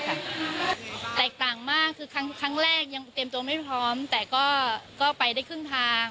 แตกต่างมากคือครั้งแรกยังเตรียมตัวไม่พร้อมแต่ก็ไปได้ครึ่งทาง